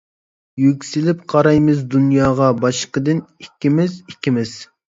يۈكسىلىپ قارايمىز دۇنياغا، باشقىدىن ئىككىمىز، ئىككىمىز.